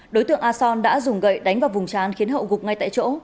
đối tượng a son đã dùng gậy đánh vào vùng trán khiến hậu gục ngay tại chỗ